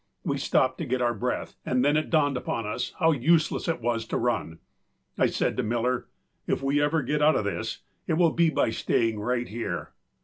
We stopped to get our breath, and then it dawned upon us how useless it was to run. I said to Miller, âIf we ever get out of this, it will be by staying right here.